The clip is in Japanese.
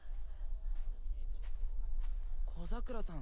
小桜さん